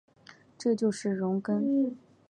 这就是容庚。